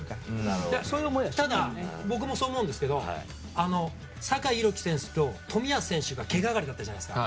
僕もそう思いますけど酒井宏樹選手と冨安選手がけが上がりだったじゃないですか。